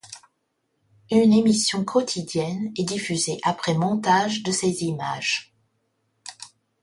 Une émission quotidienne est diffusée après montage de ces images.